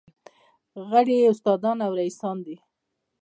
غړي یې استادان او رییسان دي.